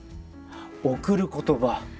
「贈る言葉」。